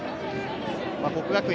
國學院